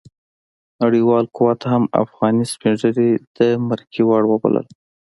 نړیوال قوت هم افغاني سپين ږيري د مرګي وړ وبلل.